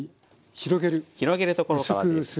広げるところからです。